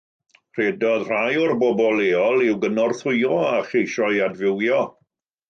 Rhedodd rhai o'r bobl leol i'w gynorthwyo a cheisio'i adfywio.